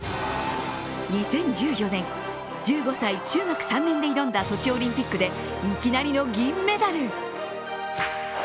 ２０１４年、１５歳、中学３年で挑んだソチオリンピックでいきなりの銀メダル。